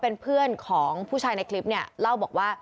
เป็นเพื่อนของผู้ชายในคลิปเนี่ย